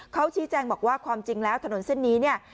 เขาชี้แจงบอกว่าความจริงแล้วถนนเส้นนี้เนี่ย